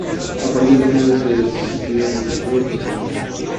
A partir del final de su adolescencia estudió el Nuevo Pensamiento.